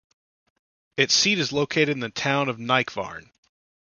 Its seat is located in the town of Nykvarn.